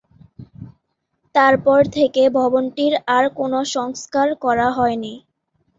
তারপর থেকে ভবনটির আর কোন সংস্কার করা হয়নি।